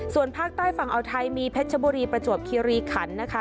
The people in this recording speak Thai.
ส่วนภาคใต้ฝั่งอาวไทยมีเพชรบุรีประจวบคิริขันนะคะ